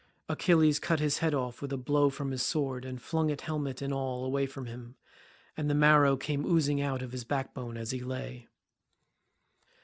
Achilles cut his head off with a blow from his sword and flung it helmet and all away from him, and the marrow came oozing out of his backbone as he lay.